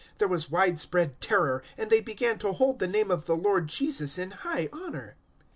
There was widespread terror, and they began to hold the name of the Lord Jesus in high honour.